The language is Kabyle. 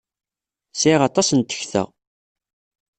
Sɛiɣ aṭas n tekta.